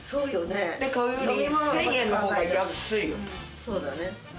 そうだね。